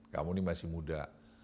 kamu ini masih muda